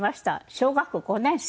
小学校５年生。